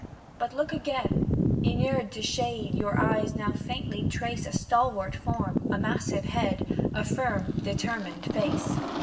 But look again; inured to shade Your eyes now faintly trace A stalwart form, a massive head, A firm, determined face.